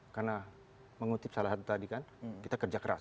karena mengutip salah satu tadi kan kita kerja keras